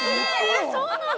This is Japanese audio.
・そうなの？